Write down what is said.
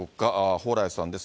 蓬莱さんです。